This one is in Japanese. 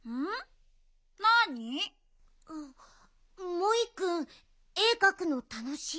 モイくんえかくのたのしい？